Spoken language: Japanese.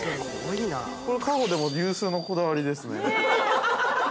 過去でも有数のこだわりですね。